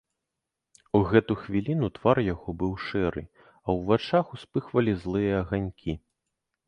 У гэту хвіліну твар яго быў шэры, а ў вачах успыхвалі злыя аганькі.